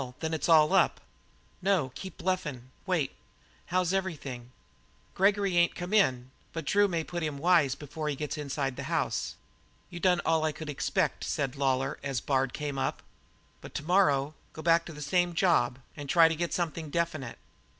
Then it's all up?" "No; keep bluffin'; wait. How's everything?" "Gregory ain't come in, but Drew may put him wise before he gets inside the house." "You done all I could expect," said Lawlor aloud as Bard came up, "but to morrow go back on the same job and try to get something definite."